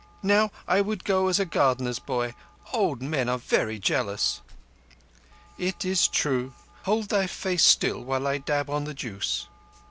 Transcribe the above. Now I would go as a gardener's boy. Old men are very jealous." "That is true. Hold thy face still while I dab on the juice."